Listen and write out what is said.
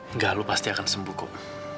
enggak lo pasti akan sembuh kok